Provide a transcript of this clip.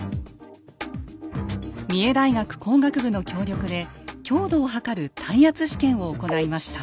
三重大学工学部の協力で強度を測る耐圧試験を行いました。